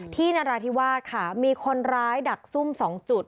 นราธิวาสค่ะมีคนร้ายดักซุ่ม๒จุด